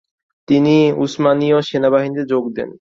তিনি উসমানীয় সেনাবাহিনীতে যোগ দেন।